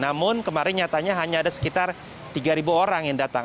namun kemarin nyatanya hanya ada sekitar tiga orang yang datang